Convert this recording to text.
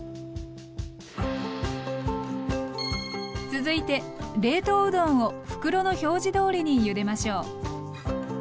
続いて冷凍うどんを袋の表示どおりにゆでましょう。